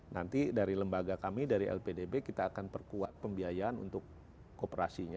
nanti dari lembaga kami dari lpdb kita akan perkuat pembiayaan untuk kooperasinya